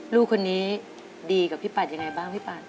ลูกคนนี้ดีกับพี่ปัดยังไงบ้างพี่ปัด